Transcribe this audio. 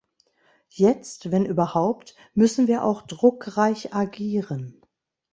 Jetzt, wenn überhaupt, müssen wir auch druckreich agieren.